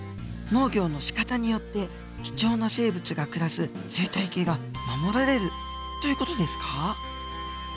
農業のしかたによって貴重な生物が暮らす生態系が守られるという事ですか？